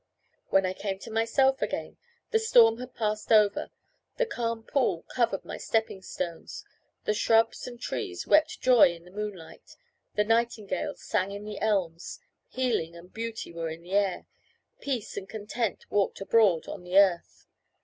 When I came to myself again, the storm had passed over, the calm pool covered my stepping stones, the shrubs and trees wept joy in the moonlight, the nightingales sang in the elms, healing and beauty were in the air, peace and content walked abroad on the earth.